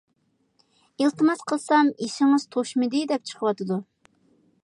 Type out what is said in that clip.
ئىلتىماس قىلسام «يېشىڭىز توشمىدى» دەپ چىقىۋاتىدۇ.